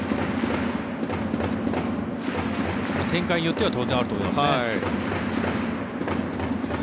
展開によっては当然あると思いますね。